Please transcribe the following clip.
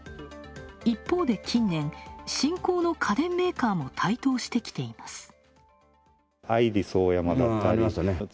一方で、近年、新興の家電メーカーも台頭してきています。